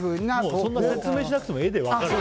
そんな説明しなくても絵で分かるよ。